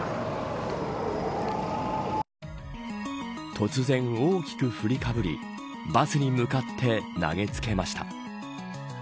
突然、大きく振りかぶりバスに向かって投げつけました。